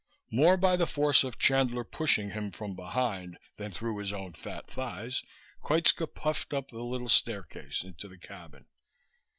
More by the force of Chandler pushing him from behind than through his own fat thighs, Koitska puffed up the little staircase into the cabin.